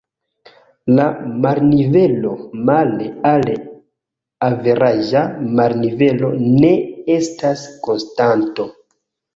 La marnivelo male al averaĝa marnivelo ne estas konstanto.